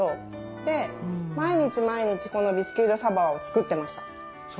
で毎日毎日このビスキュイ・ド・サヴォワを作ってました。